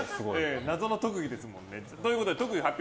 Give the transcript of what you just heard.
謎の特技ですもんね。ということで特技の発表